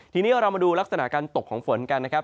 ทีนี้เรามาดูลักษณะการตกของฝนกันนะครับ